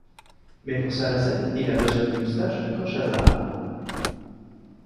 Mais pour sa recette, il a besoin de moustaches de crochazaar.